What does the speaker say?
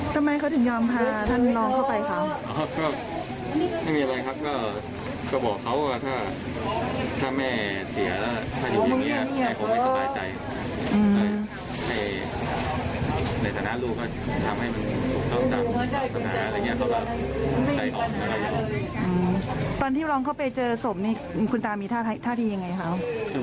ตอนที่ลองเข้าไปเจอศพนี่คุณตามีท่าทียังไงคะ